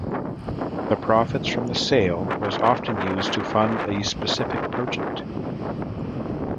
The profits from the sale of was often used to fund a specific project.